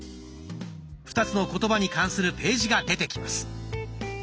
２つの言葉に関するページが出てきます。